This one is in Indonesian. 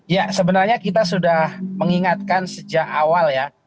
ya sebenarnya kita sudah mengingatkan sejak awal ya